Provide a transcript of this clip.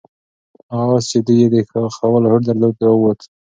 هغه آس چې دوی یې د ښخولو هوډ درلود راووت.